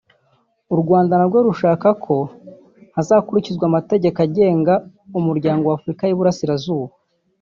u Rwanda narwo rushaka ko hakurikizwa amategeko agenga umuryango wa Afurika y’Iburasirazuba